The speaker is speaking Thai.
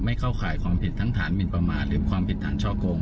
เข้าข่ายความผิดทั้งฐานมินประมาทหรือความผิดฐานช่อกง